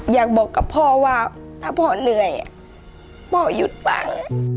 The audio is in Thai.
อยากบอกกับพ่อว่าถ้าพ่อเหนื่อยพ่อหยุดปัง